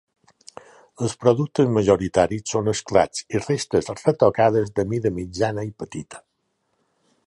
Els productes majoritaris són esclats i restes retocades de mida mitjana i petita.